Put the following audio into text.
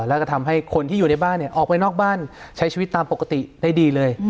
แล้วก็ทำให้คนที่อยู่ในบ้านออกไปนอกบ้านใช้ชีวิตตามปกติได้ดีเลย